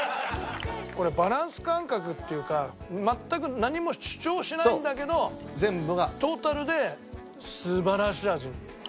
これバランス感覚っていうか全く何も主張しないんだけどトータルで素晴らしい味に。